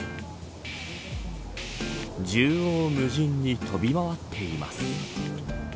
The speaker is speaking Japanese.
縦横無尽に飛び回っています。